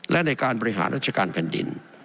และในการบริหารราชการแผ่นดิน